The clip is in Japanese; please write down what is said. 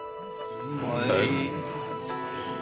はい。